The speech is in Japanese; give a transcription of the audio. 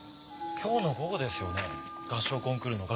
今日の午後ですよね合唱コンクールの学年選考。